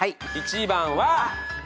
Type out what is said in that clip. １番は。